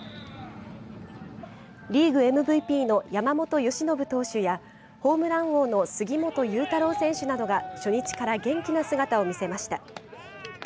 リーグＭＶＰの山本由伸投手やホームラン王の杉本裕太郎選手などが初日から元気な姿を見せました。